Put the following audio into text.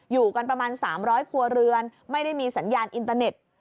อยู่กันประมาณ๓๐๐ครัวเรือนไม่ได้มีสัญญาณอินเตอร์เน็ต